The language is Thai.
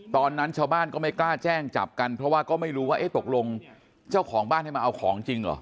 ตอนนั้นชาวบ้านก็ไม่กล้าแจ้งจับกันเพราะว่าก็ไม่รู้ว่าเอ๊ะตกลงเจ้าของบ้านให้มาเอาของจริงเหรอ